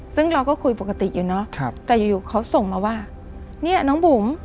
ซึ่งเราก็คุยปกติอยู่เนาะแต่อยู่เขาส่งมาว่าเนี่ยน้องบุ๋ม